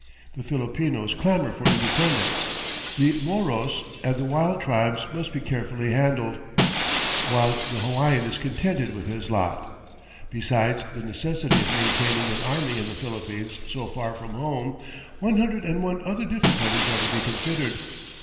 The Filipinos clamour for independence, the Moros and the wild tribes must be carefully handled, while the Hawaiian is contented with his lot. Besides the necessity of maintaining an army in the Philippines so far from home, one hundred and one other difficulties are to be considered.